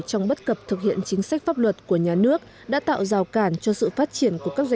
trong bất cập thực hiện chính sách pháp luật của nhà nước đã tạo rào cản cho sự phát triển của các doanh